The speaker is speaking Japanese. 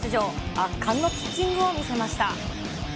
圧巻のピッチングを見せました。